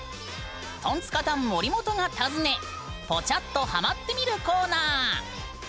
トンツカタン森本が訪ねポチャっとハマってみるコーナー！